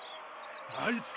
あいつか！